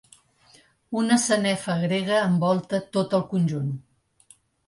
Una sanefa grega envolta tot el conjunt.